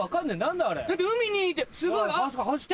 だって海にいて。